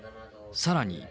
さらに。